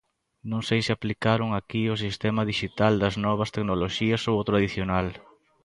Non sei se aplicaron aquí o sistema dixital das novas tecnoloxías ou o tradicional.